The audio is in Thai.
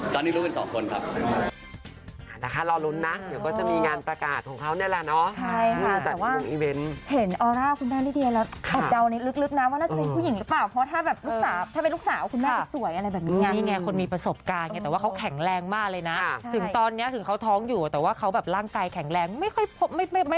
ตอนนี้รู้กันสองคนครับ